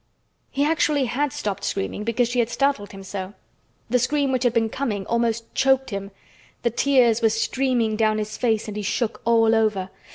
He actually had stopped screaming because she had startled him so. The scream which had been coming almost choked him. The tears were streaming down his face and he shook all over.